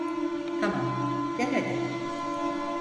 Tamam, gel hadi.